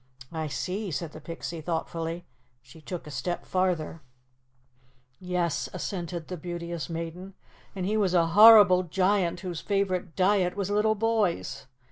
"I see," said the Pixie thoughtfully. "She took a step farther." "Yes," assented the Beauteous Maiden, "and he was a horrible giant whose favorite diet was little boys.